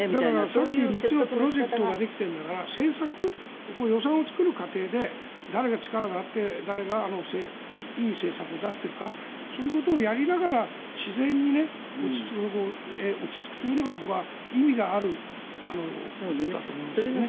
そういうプロジェクトができてるんだから政策、予算を作る過程で誰が力があって誰がいい政策を出しているかそういうことをやりながら自然に落ち着くというのが僕は意味があることだと思いますけどね。